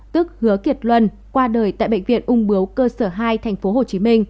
tức hứa kiệt luân qua đời tại bệnh viện ung bướu cơ sở hai tp hcm